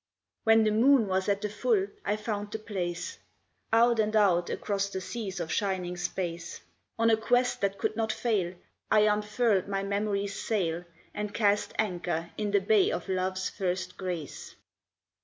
When the moon was at the full, I found the place; Out and out, across the seas of shining space, On a quest that could not fail, I unfurled my memory's sail And cast anchor in the Bay of Love's First Grace.